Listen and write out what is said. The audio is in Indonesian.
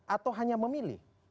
atau hanya memilih